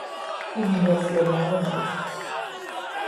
او بیوصیت نامه مرد.